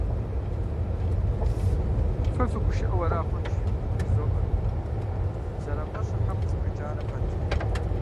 — Фэ фыгушыӀэу ара хъунщ? — жызоӀэ, зэрафӀэщыр хьэкъыу спхыкӀарэ пэт.